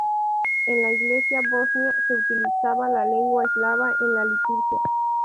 En la Iglesia Bosnia se utilizaba la lengua eslava en la liturgia.